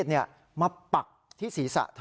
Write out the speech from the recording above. เอามีดมาปักที่ศีรษะเธอ